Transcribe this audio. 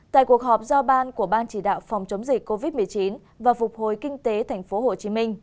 tại cuộc họp giao ban của ban chỉ đạo phòng chống dịch covid một mươi chín và phục hồi kinh tế tp hcm